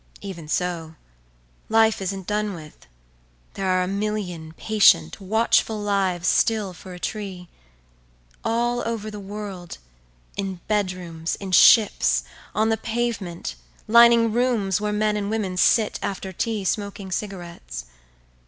Even so, life isn't done with; there are a million patient, watchful lives still for a tree, all over the world, in bedrooms, in ships, on the pavement, lining rooms, where men and women sit after tea, smoking cigarettes.